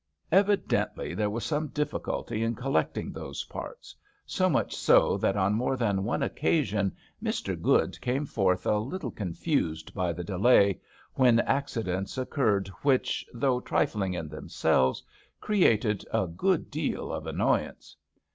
Evi dently, there was some difficulty in collecting those parts; so much so that on more than one occasion Mr. Good came forth a little confused by the delay, when accidents occurred which, though trifling in themselves, created a good deal of annoyance.